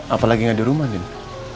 apalagi nggak ada rumah nino